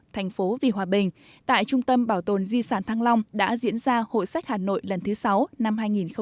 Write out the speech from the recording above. thành phố vì hòa bình tại trung tâm bảo tồn di sản thăng long đã diễn ra hội sách hà nội lần thứ sáu năm hai nghìn một mươi chín